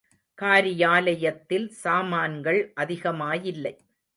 காரியாலயத்தில் சாமான்கள் அதிகமாயில்லை.